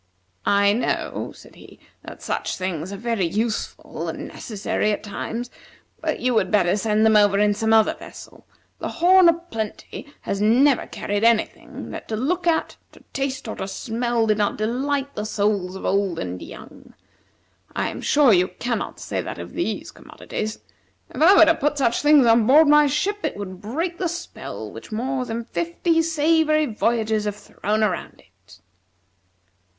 "I know," said he, "that such things are very useful and necessary at times, but you would better send them over in some other vessel. The 'Horn o' Plenty' has never carried any thing that to look at, to taste, or to smell, did not delight the souls of old and young. I am sure you cannot say that of these commodities. If I were to put such things on board my ship, it would break the spell which more than fifty savory voyages have thrown around it."